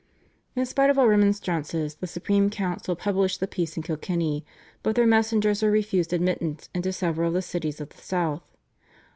In spite of all remonstrances the Supreme Council published the Peace in Kilkenny, but their messengers were refused admittance into several of the cities of the South.